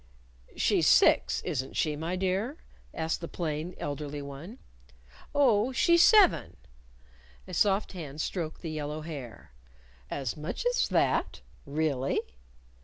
"She's six, isn't she, my dear?" asked the plain, elderly one. "Oh, she's seven." A soft hand stroked the yellow hair. "As much as that? Really?"